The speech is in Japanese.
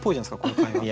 この会話。